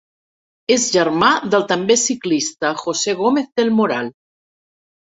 És germà del també ciclista José Gómez del Moral.